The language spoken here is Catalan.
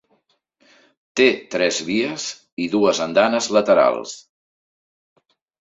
Té tres vies i dues andanes laterals.